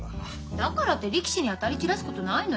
だからって力士に当たり散らすことないのよ。